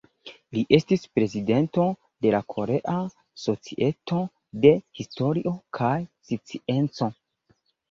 Li estis prezidento de la Korea Societo de Historio kaj Scienco.